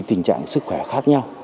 tình trạng sức khỏe khác nhau